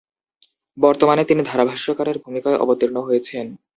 বর্তমানে তিনি ধারাভাষ্যকারের ভূমিকায় অবতীর্ণ হয়েছেন।